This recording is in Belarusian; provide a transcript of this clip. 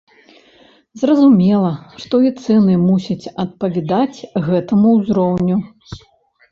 Зразумела, што і цэны мусяць адпавядаць гэтаму ўзроўню.